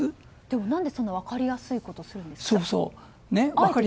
なぜ、そんな分かりやすいことをするんですか。